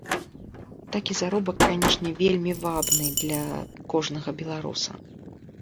Такі заробак, канешне, вельмі вабны для кожнага беларуса.